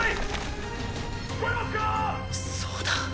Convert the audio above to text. そうだ！！